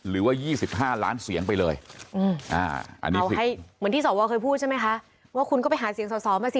คุณจะพูดใช่ไหมคะว่าคุณก็ไปหาเสียงสอสอมาสิ